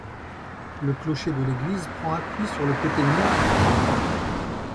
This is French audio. Le clocher de l'église prend appui sur le côté nord du chœur.